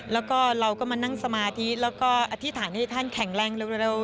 แล้วก็เราก็มานั่งสมาธิแล้วก็อธิษฐานให้ท่านแข็งแรงเร็ว